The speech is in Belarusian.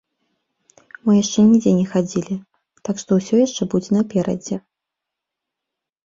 Мы яшчэ нідзе не хадзілі, так што ўсё яшчэ будзе наперадзе.